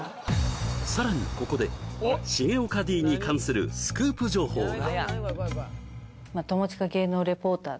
さらにここで重岡Ｄに関するスクープ情報が！